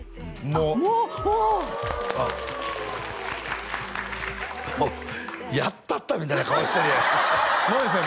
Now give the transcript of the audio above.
もうやったったみたいな顔してるやん「も」ですよ